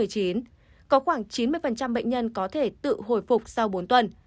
có khoảng chín mươi bệnh nhân có thể tự hồi phục sau bốn tuần